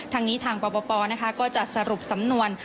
ทางนี้ทางปปก็จะสรุปสำนวน